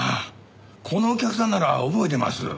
このお客さんなら覚えてます。